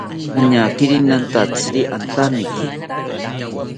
Añakiri nantatziri antamiki